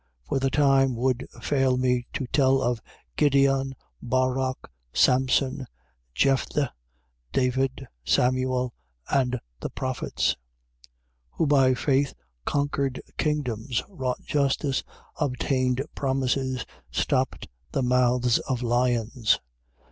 For the time would fail me to tell of Gedeon, Barac, Samson, Jephthe, David, Samuel, and the prophets: 11:33. Who by faith conquered kingdoms, wrought justice, obtained promises, stopped the mouths of lions, 11:34.